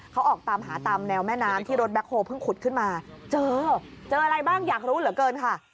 เจออะไรบ้างอยากรู้เหลือเกินค่ะ